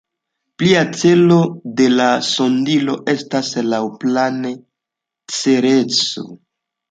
Plia celo de la sondilo estas laŭplane Cereso.